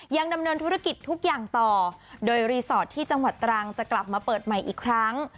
ยังดำเนินธุรกิจทุกอย่างต่อโดยรีสอร์ทที่จังหวัดตรังจะกลับมาเปิดใหม่อีกครั้ง